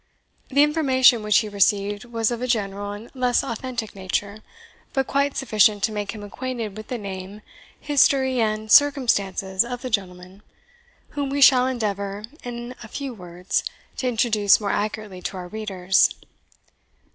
The information which he received was of a general and less authentic nature, but quite sufficient to make him acquainted with the name, history, and circumstances of the gentleman, whom we shall endeavour, in a few words, to introduce more accurately to our readers.